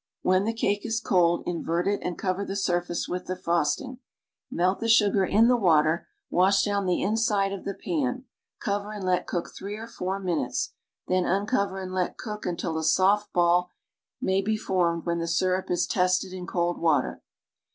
When the cake is cold, invert it and cover the surface with the frosting. Melt the sugar in the water, wash down the inside of the pan, cover and let cook three or four minutes, then uncover and let cook until a soft ball may be formed when the syrup is tested in cold water.